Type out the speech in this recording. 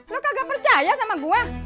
lu kagak percaya sama gua